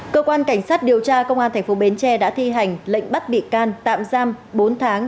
cơ quan cảnh sát điều tra công an tp bến tre đã thi hành lệnh bắt bị can tạm giam bốn tháng